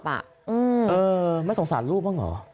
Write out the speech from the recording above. ไม่สงสารลูกบ้างเหรอ